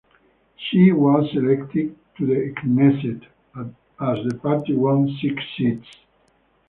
She was elected to the Knesset as the party won six seats.